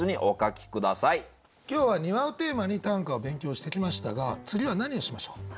今日は「庭」をテーマに短歌を勉強してきましたが次は何をしましょう？